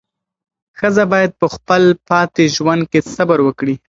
ښځه باید په خپل پاتې ژوند کې صبر وکړي.